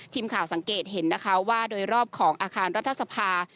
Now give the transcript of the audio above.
ทีมข่าวสังเกตเห็นนะคะว่าโดยรอบของอาคารรัฐสภา